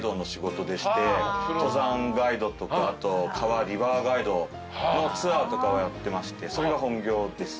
登山ガイドとかあと川リバーガイドのツアーとかをやってましてそれが本業です。